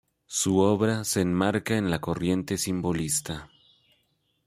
Su obra se enmarca en la corriente simbolista.